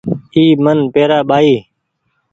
اي من پيرآ ٻآئي